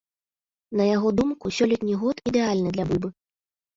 На яго думку, сёлетні год ідэальны для бульбы.